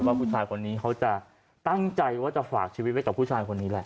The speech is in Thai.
ว่าผู้ชายคนนี้เขาจะตั้งใจว่าจะฝากชีวิตไว้กับผู้ชายคนนี้แหละ